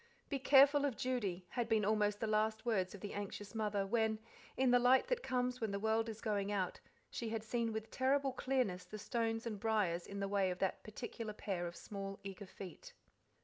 "Be careful of Judy" had been almost the last words of the anxious mother when, in the light that comes when the world's is going out, she had seen with terrible clearness the stones and briars in the way of that particular pair of small, eager feet.